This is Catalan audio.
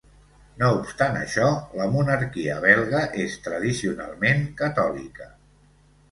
No obstant això, la monarquia belga és tradicionalment catòlica.